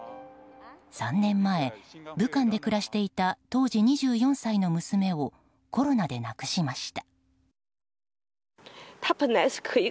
３年前、武漢で暮らしていた当時２４歳の娘をコロナで亡くしました。